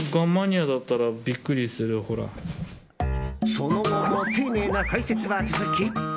その後も丁寧な解説は続き。